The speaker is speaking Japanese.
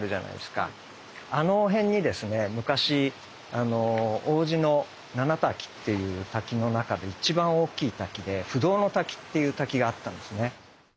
あの辺にですね昔王子の七滝っていう滝の中で一番大きい滝で不動の滝っていう滝があったんですね。